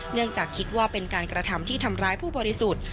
เนื่องจากคิดว่าเป็นการกระทำที่ทำร้ายผู้บริสุทธิ์